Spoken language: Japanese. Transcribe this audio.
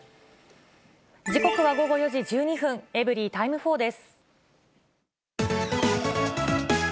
時刻は午後４時１２分、エブリィタイム４です。